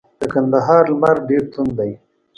د کندهار لمر ډیر توند دی.